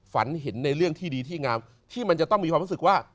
ฝันเห็นในเรื่องที่ดีที่งามที่มันจะต้องมีความรู้สึกว่า